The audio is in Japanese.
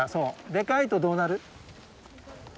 でかいとどうなる？